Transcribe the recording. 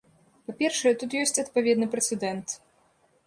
Па-першае, тут ёсць адпаведны прэцэдэнт.